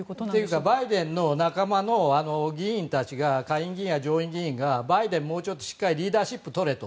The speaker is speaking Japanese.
バイデンの仲間の議員たち下院議員や上院議員がバイデン、もうちょっとしっかりリーダーシップをとれと。